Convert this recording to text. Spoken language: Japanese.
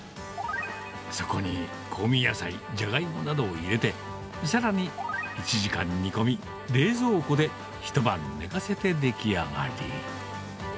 そこに香味野菜、ジャガイモなどを入れて、さらに１時間煮込み、冷蔵庫で一晩寝かせて出来上がり。